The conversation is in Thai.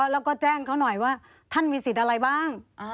แล้วก็แจ้งเขาหน่อยว่าท่านมีสิทธิ์อะไรบ้าง